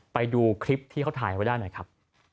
ไปดูคลิปที่เขาถ่ายไว้ได้หน่อยครับ